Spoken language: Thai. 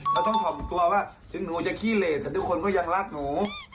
เราต้องถ่อมตัวว่าถึงหนูจะขี้เลสแต่ทุกคนก็ยังรักหนู